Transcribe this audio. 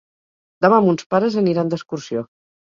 Demà mons pares aniran d'excursió.